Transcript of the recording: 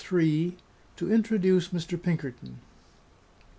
TO INTRODUCE MR. PINKERTON.